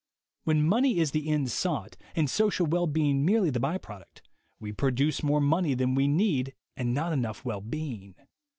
When money is the end sought, and social well being merely the by product, we produce more money than we need and not enough well being.